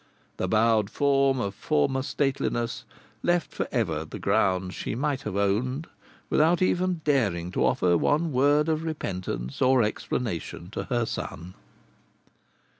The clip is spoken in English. The bowed form of former stateliness left for ever the grounds she might have owned without even daring to offer one word of repentance or explanation to her son.